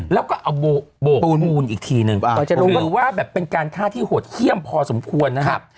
แล้วก็เอาโบกปูนอีกทีนึงหรือว่าแบบเป็นการฆ่าที่โหดเยี่ยมพอสมควรนะครับ